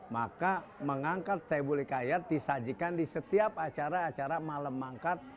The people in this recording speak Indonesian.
maka mengangkat caibuli kayat disajikan di setiap acara acara malam mangkat